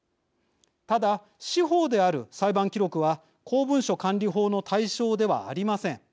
ただ、司法である裁判記録は公文書管理法の対象ではありません。